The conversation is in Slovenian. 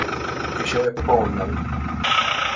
Prišel je popoln dan.